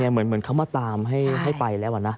เหมือนเขามาตามให้ไปแล้วนะ